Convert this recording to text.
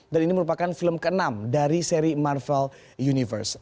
dan ini merupakan film ke enam dari seri marvel universe